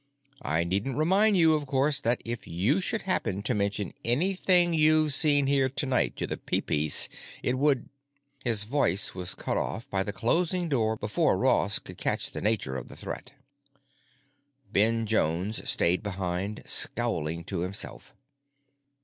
I needn't remind you, of course, that if you should happen to mention anything you've seen here tonight to the Peepeece it would——" His voice was cut off by the closing door before Ross could catch the nature of the threat. Ben Jones stayed behind, scowling to himself.